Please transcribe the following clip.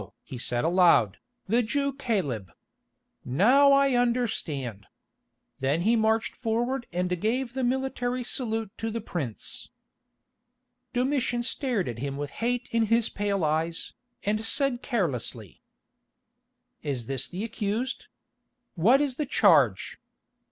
he said aloud, "the Jew Caleb. Now I understand." Then he marched forward and gave the military salute to the prince. Domitian stared at him with hate in his pale eyes, and said carelessly: "Is this the accused? What is the charge?"